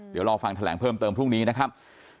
เดี๋ยวรอฟังแถลงเพิ่มเติมพรุ่งนี้นะครับ